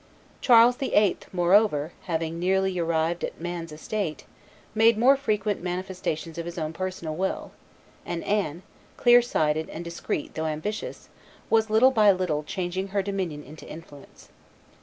Charles VIII., moreover, having nearly arrived at man's estate, made more frequent manifestations of his own personal will; and Anne, clear sighted and discreet though ambitious, was little by little changing her dominion into influence.